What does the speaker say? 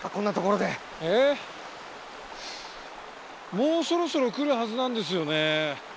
もうそろそろ来るはずなんですよね。